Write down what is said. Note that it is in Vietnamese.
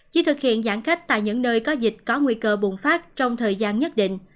chỉ thực hiện giãn cách tại những nơi có dịch có nguy cơ bùng phát trong thời gian nhất định